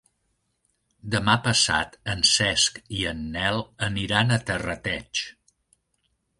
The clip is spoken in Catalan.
Demà passat en Cesc i en Nel aniran a Terrateig.